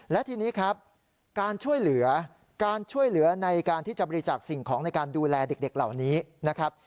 และทีนี้ครับการช่วยเหลือการช่วยเหลือในการที่จะบริจาคสิ่งของในการดูแลเด็กเหล่านี้นะครับ